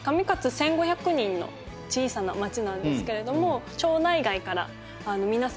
１５００人の小さな町なんですけれども町内外から皆さん